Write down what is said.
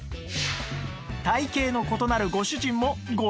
体形の異なるご主人もご覧のとおり！